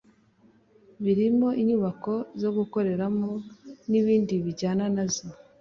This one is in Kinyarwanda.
birimo inyubako zo gukoreramo n’ibindi bijyana nazo